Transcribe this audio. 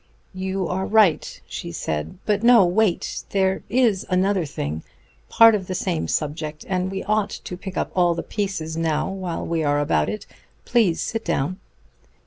"You are right," she said. "But no! Wait. There is another thing part of the same subject; and we ought to pick up all the pieces now while we are about it. Please sit down."